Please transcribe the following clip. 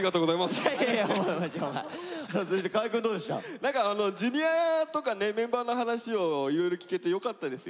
何かＪｒ．とかねメンバーの話をいろいろ聞けてよかったですよ。